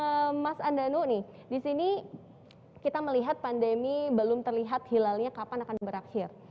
nah mas andanu nih disini kita melihat pandemi belum terlihat hilalnya kapan akan berakhir